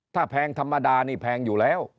ถ้าแพงธรรมดานี่แพงอยู่แล้ว